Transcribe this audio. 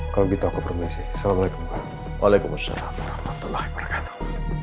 kalau begitu aku permisi assalamualaikum warahmatullahi wabarakatuh